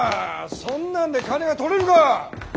そんなんで金が取れるか！